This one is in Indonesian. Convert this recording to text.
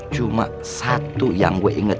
cuma satu yang gue inget